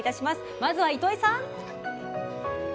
まずは糸井さん！